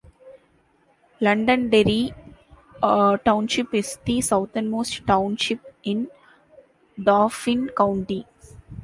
Londonderry Township is the southernmost township in Dauphin County.